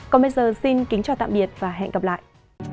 còn bây giờ xin kính chào tạm biệt và hẹn gặp lại